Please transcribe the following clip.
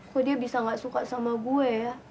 kok dia bisa gak suka sama gue ya